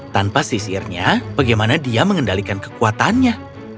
tanpa sisirnya bagaimana dia mengendalikan kekuatannya